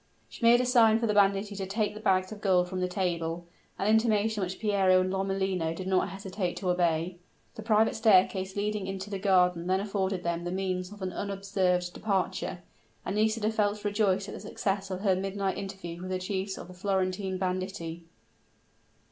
She made a sign for the banditti to take the bags of gold from the table, an intimation which Piero and Lomellino did not hesitate to obey. The private staircase leading into the garden then afforded them the means of an unobserved departure; and Nisida felt rejoiced at the success of her midnight interview with the chiefs of the Florentine banditti.